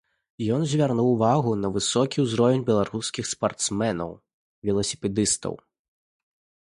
Ён звярнуў увагу на высокі ўзровень беларускіх спартсмэнаў-веласіпедыстаў.